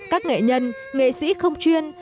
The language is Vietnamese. các nghệ nhân nghệ sĩ không chuyên